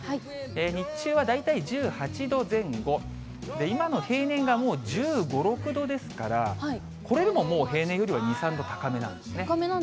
日中は大体１８度前後、今の平年がもう１５、６度ですから、これでももう平年よりは２、高めなんですね。